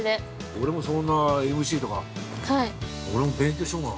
◆俺もこんなＭＣとか、俺も勉強しようかな。